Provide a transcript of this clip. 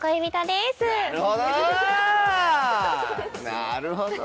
なるほど！